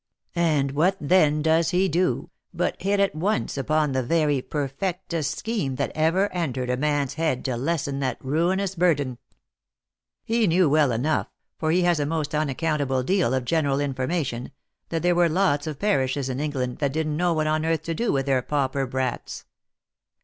And what then does he do, but hit at once upon the very perfectest scheme that ever entered a man's head to lessen that ruinous burden. He knew well enough, for he has a most unaccountable deal of general information, that there were lots of parishes in England that didn't know what on earth to do with their pauper brats.